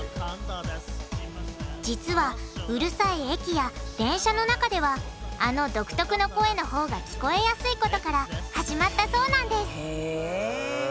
実はうるさい駅や電車の中ではあの独特の声のほうが聞こえやすいことから始まったそうなんですへぇ。